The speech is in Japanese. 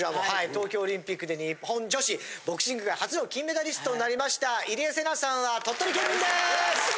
東京オリンピックで日本女子ボクシング界初の金メダリストになりました入江聖奈さんは鳥取県民です。